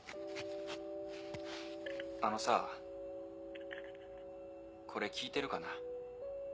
あのさこれ聞いてるかな？